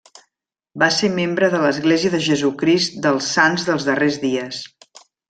Va ser membre de l'Església de Jesucrist dels Sants dels Darrers Dies.